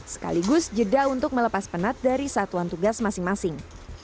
sekaligus jeda untuk melepas penat dari satuan tugas masing masing